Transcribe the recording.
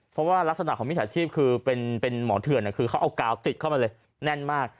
เพราะว่ารักษณะของมิจฉาชีพคือเป็นหมอเถื่อนคือเขาเอากาวติดเข้ามาเลยแน่นมาก